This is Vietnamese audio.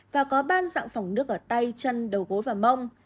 và có ban dạng phòng nước ở tay chân đầu gối và mông